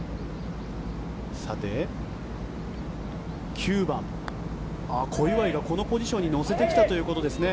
９番、小祝がこのポジションに乗せてきたということですね。